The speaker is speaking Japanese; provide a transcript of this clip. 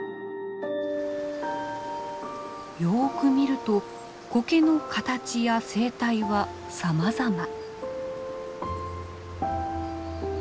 よく見るとコケの形や生態はさまざま。